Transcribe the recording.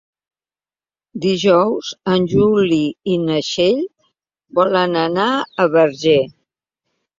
Dijous en Juli i na Txell volen anar al Verger.